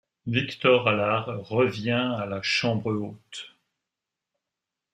Victor Allard revient à la Chambre Haute.